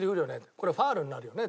「これファウルになるよね？」。